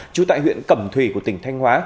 trú tại huyện cẩm thủy của tỉnh thanh hóa